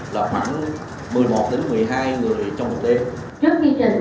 là khoảng một mươi một đến một mươi hai người trong một đêm